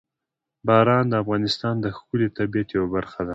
باران د افغانستان د ښکلي طبیعت یوه برخه ده.